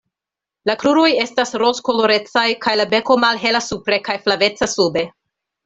La kruroj estas rozkolorecaj kaj la beko malhela supre kaj flaveca sube.